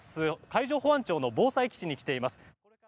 海上保安庁の防災基地に来ています。